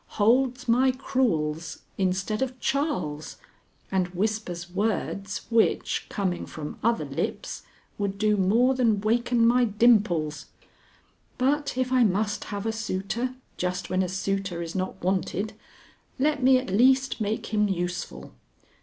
holds my crewels, instead of Charles, and whispers words which, coming from other lips, would do more than waken my dimples! But if I must have a suitor, just when a suitor is not wanted, let me at least make him useful.